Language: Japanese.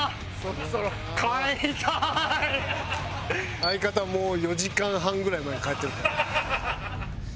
相方もう４時間半ぐらい前に帰ってるで。